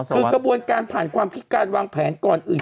คือกระบวนการผ่านความคิดการวางแผนก่อนอื่น